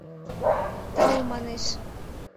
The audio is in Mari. — «Тау» манеш.